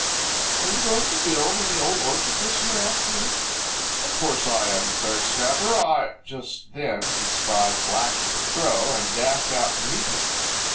"Are you going to build in the Old Orchard this year?" asked Peter. "Of course I am," declared Scrapper. "I " Just then he spied Blacky the Crow and dashed out to meet him.